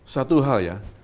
satu hal ya